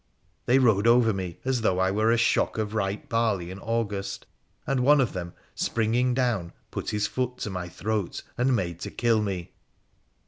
They rode over me as though I were a shock of ripe barley in August, and one of them, springing down, put his foot to my throat and made to kill me.